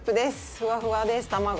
ふわふわです卵。